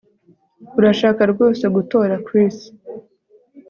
Urashaka rwose gutora Chris